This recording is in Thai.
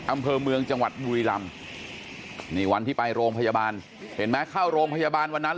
อำเภอเมืองจังหวัดบุรีรำนี่วันที่ไปโรงพยาบาลเห็นไหมเข้าโรงพยาบาลวันนั้น